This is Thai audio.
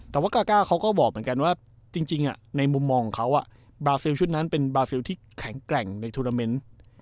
แต่ว่ากาก้าเขาก็บอกเหมือนกันว่าจริงในมุมมองของเขาบราซิลชุดนั้นเป็นบราซิลที่แข็งแกร่งในทวนาเมนต์